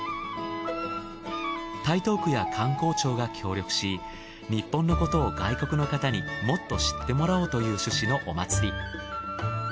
台東区や観光庁が協力し日本のことを外国の方にもっと知ってもらおうという趣旨のお祭り。